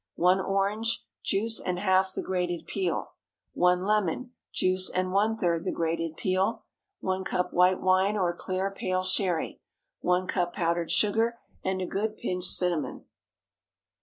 1 orange, juice and half the grated peel. 1 lemon, juice and one third the grated peel. 1 cup white wine or clear pale Sherry. 1 cup powdered sugar and a good pinch cinnamon.